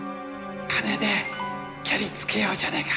金でケリつけようじゃねえか。